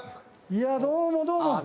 いやどうもどうも。